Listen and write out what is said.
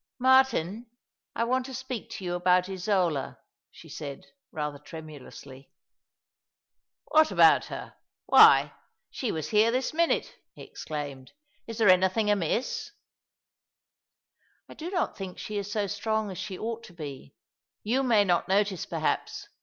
" I^Iartin, I want to speak to you about Isola," she said, rather tremulously. " What about her ? Why, she was here this minute," ho exclaimed. " Is there anything amiss ?"" I do not think she is so strong as she ought to be. You may not notice, perhaps.